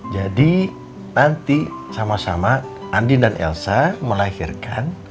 jadi nanti sama sama andin dan elsa melahirkan